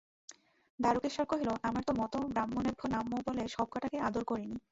দারুকেশ্বর কহিল, আমার তো মত, ব্রাহ্মণেভ্যো নমঃ বলে সব-কটাকেই আদর করে নিই।